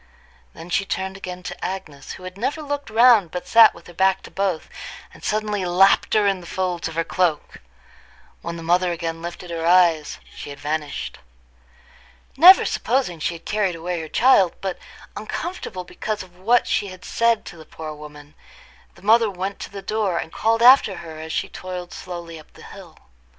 Then she turned again to Agnes, who had never looked round but sat with her back to both, and suddenly lapped her in the folds of her cloak. When the mother again lifted her eyes, she had vanished. Never supposing she had carried away her child, but uncomfortable because of what she had said to the poor woman, the mother went to the door, and called after her as she toiled slowly up the hill.